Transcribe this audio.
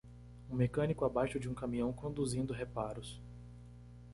Um mecânico abaixo de um caminhão conduzindo reparos.